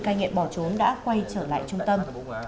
cai nghiện bỏ trốn đã quay trở lại trung tâm